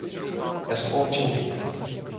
He has four children.